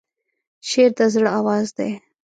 شعر د زړه آواز دی.